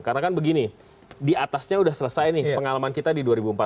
karena kan begini di atasnya sudah selesai nih pengalaman kita di dua ribu empat belas